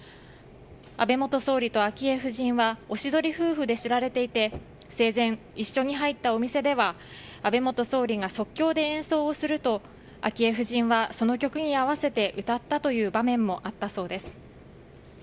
安倍元総理と昭恵夫人はおしどり夫婦で知られていて生前、一緒に入ったお店では安倍元総理が即興で演奏をすると昭恵夫人はその曲に合わせて歌ったという場面もあったそうです。